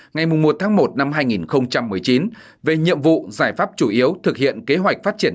ngày một tháng một năm hai nghìn một mươi chín về nhiệm vụ giải pháp chủ yếu thực hiện kế hoạch phát triển